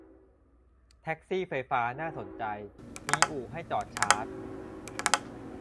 แท็กซี่ไฟฟ้าน่าสนใจ มีอู่ให้จอดชาร์จ